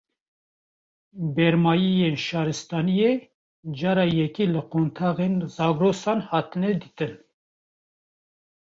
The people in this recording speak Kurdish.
Bermayiyên şaristaniyê, cara yekê li qontarên Zagrosan hatine dîtin